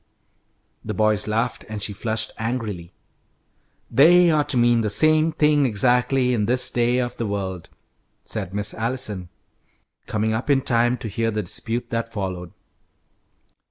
The boys laughed, and she flushed angrily. "They ought to mean the same thing exactly in this day of the world," said Miss Allison, coming up in time to hear the dispute that followed.